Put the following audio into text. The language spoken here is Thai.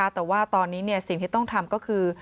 แต่ว่าตอนนี้สิ่งที่ต้องทำก็คือ